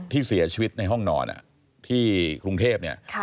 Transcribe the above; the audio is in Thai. ที่เสียชีวิตในห้องนอนที่กรุงเทพเนี่ย